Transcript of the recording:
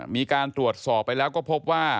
มีการตรวจสอบไปแล้วก็พบว่า